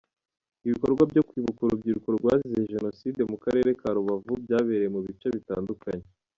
Ibikorwa byo kwibuka urubyiruko rwazize Jenocide mu Karere ka Rubavu byabereye mu bice bitandukanye.